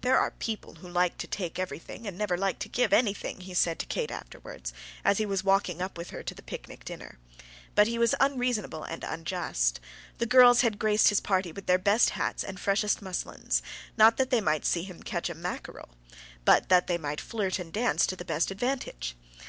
"There are people who like to take everything and never like to give anything," he said to Kate afterwards, as he was walking up with her to the picnic dinner. But he was unreasonable and unjust. The girls had graced his party with their best hats and freshest muslins, not that they might see him catch a mackerel, but that they might flirt and dance to the best advantage.